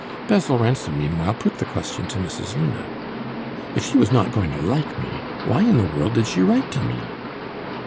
Basil Ransom, meanwhile, put the question to Mrs. Luna. "If she was not going to like me, why in the world did she write to me?"